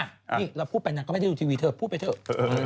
นี่เราพูดไปนางก็ไม่ได้ดูทีวีเธอพูดไปเถอะ